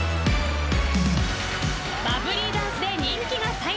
バブリーダンスで人気が再燃！